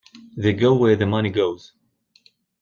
They go where the money goes.